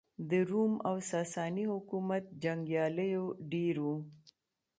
د روم او ساسا ني حکومت جنګیالېیو ډېر وو.